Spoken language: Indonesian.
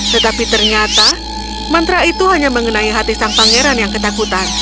tetapi ternyata mantra itu hanya mengenai hati sang pangeran yang ketakutan